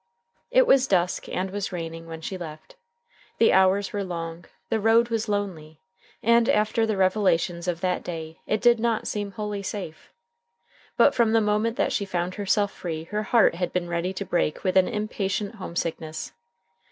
It was dusk and was raining when she left. The hours were long, the road was lonely, and after the revelations of that day it did not seem wholly safe. But from the moment that she found herself free, her heart had been ready to break with an impatient homesickness.